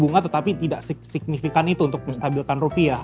bunga tetapi tidak signifikan itu untuk menstabilkan rupiah